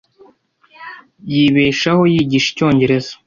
Yibeshaho yigisha icyongereza.